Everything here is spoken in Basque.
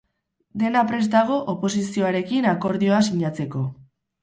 Dena prest dago oposizioarekin akordioa sinatzeko.